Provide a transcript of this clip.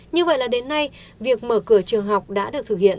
như vậy là đến nay việc mở cửa trường học đã được thực hiện